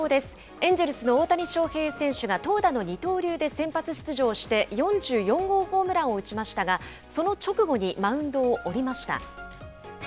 エンジェルスの大谷翔平選手が投打の二刀流で先発出場して、４４号ホームランを打ちましたが、その直後にマウンドを降りました。